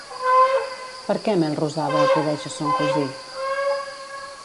Per què Melrosada acudeix a son cosí?